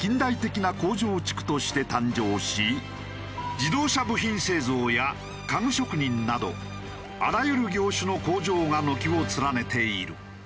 自動車部品製造や家具職人などあらゆる業種の工場が軒を連ねている。